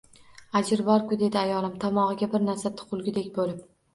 Ajr borku, dedi ayolim tomogʻiga bir narsa tiqilgudek…